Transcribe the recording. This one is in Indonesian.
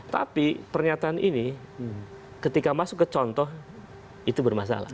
tapi pernyataan ini ketika masuk ke contoh itu bermasalah